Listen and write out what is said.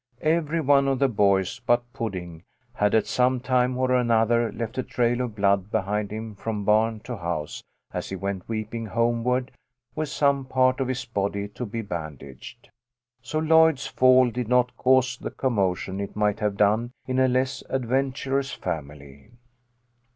Every one of the boys but Pudding had at some time or another left a trail of blood behind him from barn to house as he went weeping homeward with some part of his body to be bandaged. So Lloyd's fall did not cause the commotion it might have done in a less adventurous family.